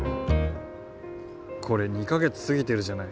これ２か月過ぎてるじゃない。